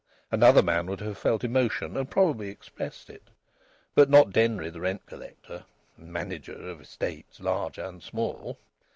Another man would have felt emotion, and probably expressed it. But not Denry, the rent collector and manager of estates large and small.